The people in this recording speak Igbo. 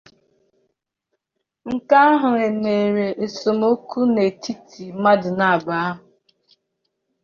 Nke a mere ka esemokwu dị n'etiti mmadụ abụọ ahụ.